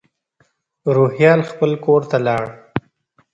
روهیال خپل کور ته لاړ.